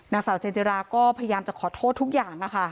นางสาวเจนจิราก็พยายามจะขอโทษทุกอย่าง